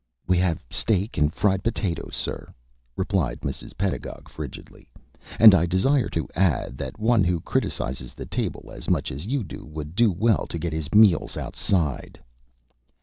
"We have steak and fried potatoes, sir," replied Mrs. Pedagog, frigidly. "And I desire to add, that one who criticises the table as much as you do would do well to get his meals outside."